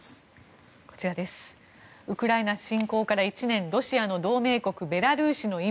ウクライナ侵攻から１年ロシアの同盟国ベラルーシの今。